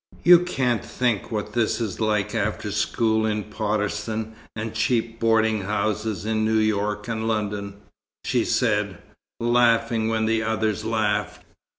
"You can't think what this is like after school in Potterston and cheap boarding houses in New York and London," she said, laughing when the others laughed.